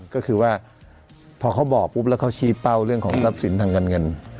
ก็คือว่าพอเขาบอกปุ๊บแล้วเขาชี้เป้าเรื่องของทรัพย์สินทางการเงิน